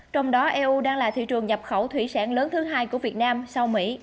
trong đó eu đang là thị trường nhập khẩu thủy sản lớn thứ hai của việt nam sau mỹ